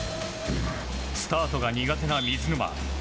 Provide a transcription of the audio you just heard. スタートが苦手な水沼。